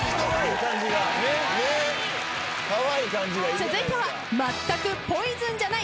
続いては。